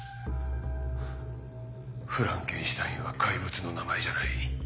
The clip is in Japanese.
「フランケンシュタイン」は怪物の名前じゃない。